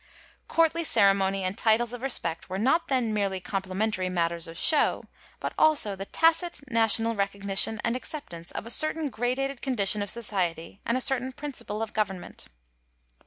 ^ Courtly ceremony and titles of respect were not then merely complimentary matters of show, but also the tacit national recognition and acceptance of a certain gradated condition of society and a certain principle of government.